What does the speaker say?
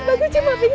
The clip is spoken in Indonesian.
kamu sabar murti